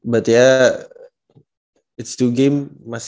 but ya it s still game